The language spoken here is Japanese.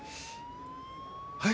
はい！